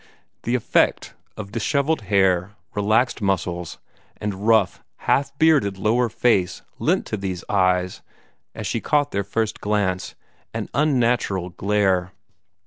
The effect of dishevelled hair, relaxed muscles, and rough, half bearded lower face lent to these eyes, as she caught their first glance, an unnatural glare.